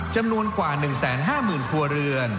จำนวนกว่า๑๕๐๐๐ครัวเรือน